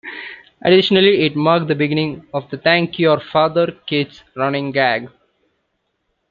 Additionally, it marked the beginning of the "Thank your father, kids" running gag.